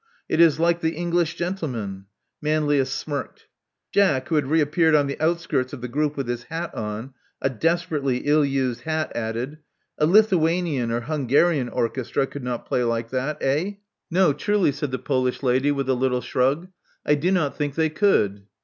It is like the English gentle man." Manlius smirked. Jack, who had reappeared on the outskirts of the group with his hat on — a des perately ill used hat — added : A Lithuanian or Hungarian orchestra could not play like that, eh?" 184 Love Among the Artists No, truly/* said the Polish lady, with a little shrug. '*I do not think they could."